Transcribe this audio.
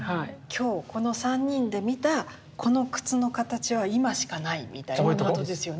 今日この３人で見たこの靴の形は今しかないみたいなことですよね。